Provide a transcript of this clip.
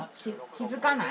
気付かない？